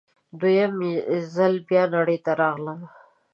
دوه یم ځل بیا نړۍ ته راغلم